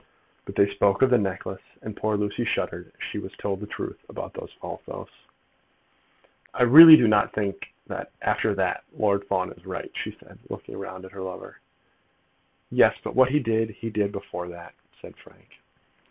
But they spoke of the necklace, and poor Lucy shuddered as she was told the truth about those false oaths. "I really do think that, after that, Lord Fawn is right," she said, looking round at her lover. "Yes; but what he did, he did before that," said Frank.